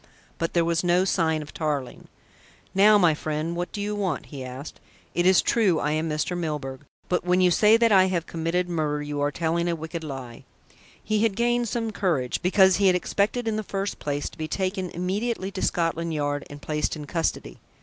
But there was no sign of Tarling. "Now, my friend, what do you want?" he asked. "It is true I am Mr. Milburgh, but when you say that I have committed murder you are telling a wicked lie." He had gained some courage, because he had expected in the first place to be taken immediately to Scotland Yard and placed in custody.